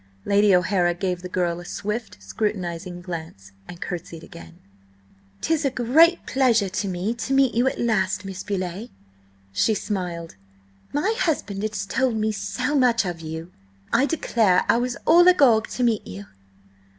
Lady O'Hara gave the girl a swift, scrutinising glance, and curtsied again. "'Tis a great pleasure to me to meet you at last, Miss Beauleigh," she smiled. "My husband has told me so much of you, I declare I was all agog to meet you!"